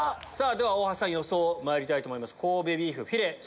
では大橋さん予想まいりたいと思います。